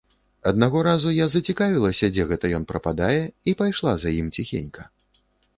Аднаго разу я зацікавілася, дзе гэта ён прападае, і пайшла за ім ціхенька.